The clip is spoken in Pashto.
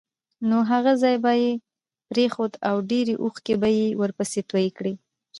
نو هغه ځای به یې پرېښود او ډېرې اوښکې به یې ورپسې تویې کړې.